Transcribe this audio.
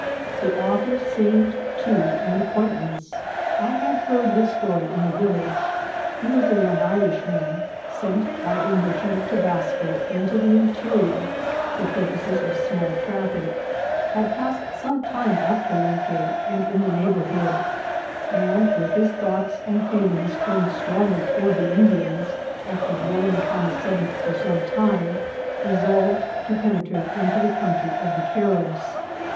The author seemed, too, an acquaintance. I had heard his story in the village. He was a young Irishman, sent by a merchant of Tobasco into the interior for purposes of small traffic ; had passed some time at Palenque and in the neighbourhood ; and, with his thoughts and feelings turned strongly toward the Indians, after dwelling upon the subject for some time, resolved to penetrate into the country of the Caribs.